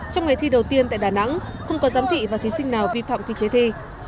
trong ngày thi đầu tiên tại đà nẵng không có giám thị và thí sinh nào vi phạm quy chế thi